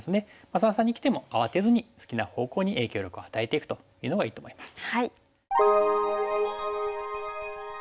三々にきても慌てずに好きな方向に影響力を与えていくというのがいいと思います。